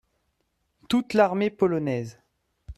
Toute l’Armée polonaise.